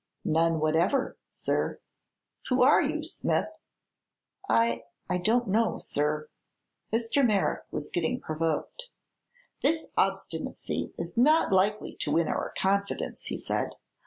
"None whatever, sir." "Who are you, Smith?" "I I don't know, sir." Mr. Merrick was getting provoked. "This obstinacy is not likely to win our confidence," he said.